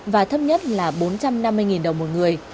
và thấp nhất là bốn trăm năm mươi đồng một người